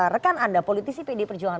rekan anda politisi pd perjuangan